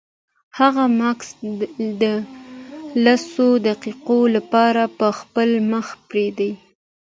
دغه ماسک د لسو دقیقو لپاره په خپل مخ پرېږدئ.